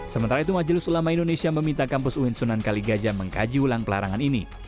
sementara itu majelis ulama indonesia meminta kampus uin sunan kaligaja mengkaji ulang pelarangan ini